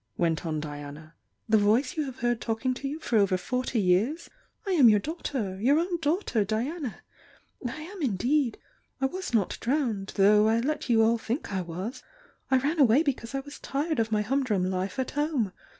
went on Diana— "The voice you have heard talking to you for over forty years? — I am your daughter! — your own daughter, Diana! I am, indeed. I was not drowned though I let you all think I was! — I ran away be cause I was tired of my humdrum life at home!